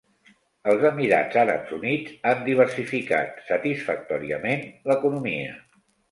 Els Emirats Àrabs Units han diversificat satisfactòriament l'economia.